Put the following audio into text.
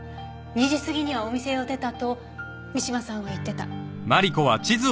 ２時過ぎにはお店を出たと三島さんは言ってた。